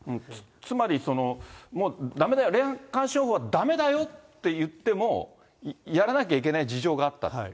つまり、だめだよ、霊感商法はだめだよって言っても、やらなきゃいけない事情があった？